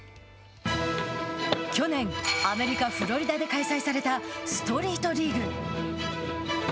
去年、アメリカ・フロリダで開催されたストリートリーグ。